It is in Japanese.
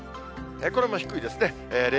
これも低いですね。